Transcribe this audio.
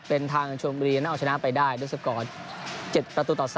เป็นทางชมบุรีนั้นเอาชนะไปได้ด้วยสกอร์๗ประตูต่อ๓